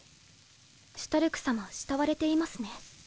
シュタルク様慕われていますね。